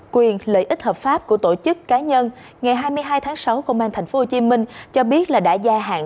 quyền lợi ích hợp pháp của tổ chức cá nhân ngày hai mươi hai tháng sáu công an tp hcm cho biết là đã gia hạn